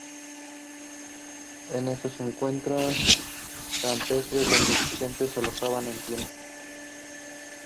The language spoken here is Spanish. En estos encuentros campestres los asistentes alojaban en tiendas.